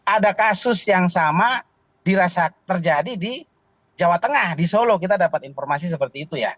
ada kasus yang sama dirasa terjadi di jawa tengah di solo kita dapat informasi seperti itu ya